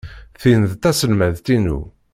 Tin d taselmadt-inu.